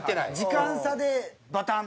時間差でバタン！